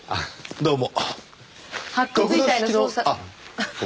どうも。